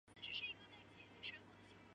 率直地变得更加明亮！